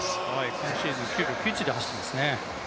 今シーズン９秒９１で走っていますね。